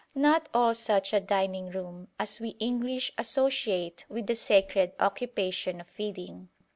Not at all such a dining room as we English associate with the sacred occupation of feeding.